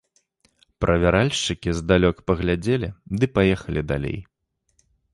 Правяральшчыкі здалёк паглядзелі ды паехалі далей.